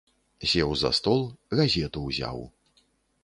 Сеў за стол, газету ўзяў.